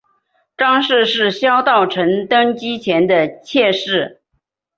张氏是萧道成登基前的妾室。